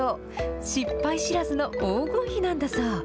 失敗知らずの黄金比なんだそう。